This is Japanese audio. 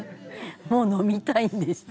もう飲みたいんでしょ」